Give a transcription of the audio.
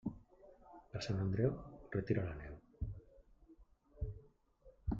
Per Sant Andreu, retira la neu.